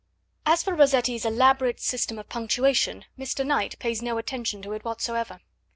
As for Rossetti's elaborate system of punctuation, Mr. Knight pays no attention to it whatsoever.